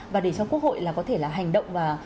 và để cho quốc hội có thể hành động và